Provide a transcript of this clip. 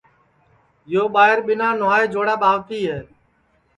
یو ٻائیر ٻینا نھوائے جوڑا ٻاوتی ہے